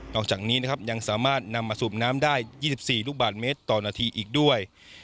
อกจากนี้นะครับยังสามารถนำมาสูบน้ำได้๒๔ลูกบาทเมตรต่อนาทีอีกด้วย